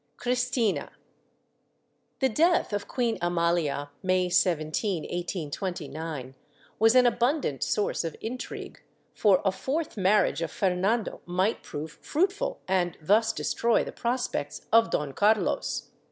Cristina. The death of Queen Amalia, ]\Iay 17, 1829, was an abundant source of intrigue, for a fourth marriage of Fernando might prove fruitful and thus destroy the prospects of Don Carlos.